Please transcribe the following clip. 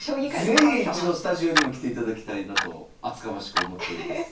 是非一度スタジオにも来ていただきたいなと厚かましく思っております。